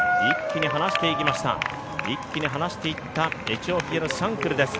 一気に離していったエチオピアのシャンクルです。